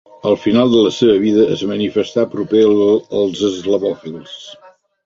Al final de la seva vida es manifestà proper als eslavòfils.